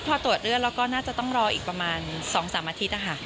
พอตรวจเลือดแล้วก็น่าจะต้องรออีกประมาณ๒๓อาทิตย์